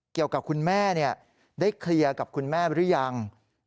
คุณแม่ได้เคลียร์กับคุณแม่หรือยัง